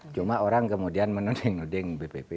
cuma orang kemudian menuding nuding bpp